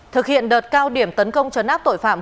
thực hiện đợt cao điểm tấn công chấn áp tội phạm